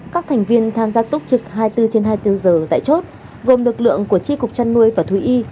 các thành viên tham gia túc trực hai mươi bốn trên hai mươi bốn giờ tại chốt gồm lực lượng của tri cục chăn nuôi và thú y